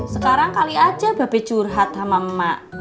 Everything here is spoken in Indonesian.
sekarang kali aja bebek curhat sama emak